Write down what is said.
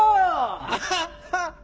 アハッハ。